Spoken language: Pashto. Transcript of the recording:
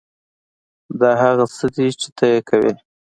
دا هغه څه دي چې ته یې کوې